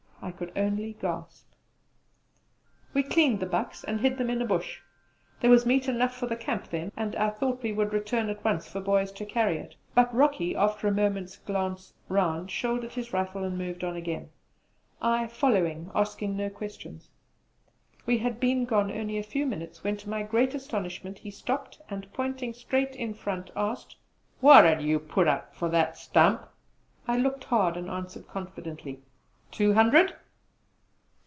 I could only gasp. We cleaned the bucks, and hid them in a bush. There was meat enough for the camp then, and I thought we would return at once for boys to carry it; but Rocky, after a moment's glance round, shouldered his rifle and moved on again. I followed, asking no questions. We had been gone only a few minutes when to my great astonishment he stopped and pointing straight in front asked: "What 'ud you put up for that stump?" I looked hard, and answered confidently, "Two hundred!"